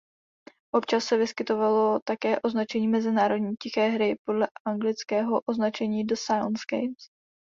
Občas se vyskytovalo také označení „mezinárodní tiché hry“ podle anglického označení "The Silent Games".